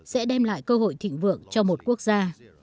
sẽ đem lại cơ hội thịnh vượng cho một quốc gia